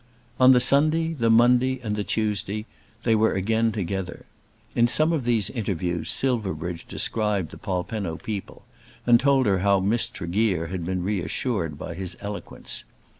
On the Sunday, the Monday, and the Tuesday they were again together. In some of these interviews Silverbridge described the Polpenno people, and told her how Miss Tregear had been reassured by his eloquence.